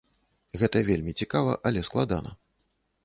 Гэта вельмі цікава, але складана.